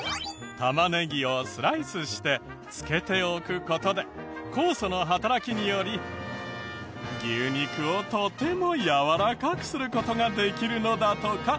玉ネギをスライスして漬けておく事で酵素の働きにより牛肉をとてもやわらかくする事ができるのだとか。